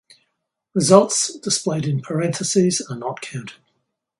Results displayed in parentheses are not counted.